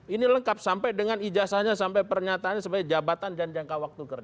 ini lengkap sampai dengan ijazahnya sampai pernyataannya sebagai jabatan dan jangka waktu kerja